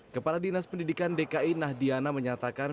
kepala dinas pendidikan dki nahdiana menyatakan